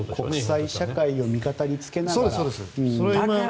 国際社会を味方につけながらと。